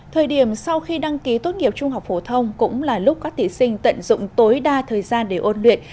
thời điểm sau khi đăng ký tốt nghiệp trung học phổ thông cũng là lúc các thí sinh tận dụng tối đa thời gian để ôn luyện